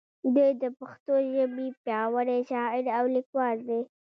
دی د پښتو ژبې پیاوړی شاعر او لیکوال دی.